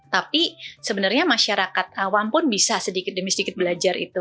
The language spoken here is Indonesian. tapi sebenarnya masyarakat awam pun bisa sedikit demi sedikit belajar itu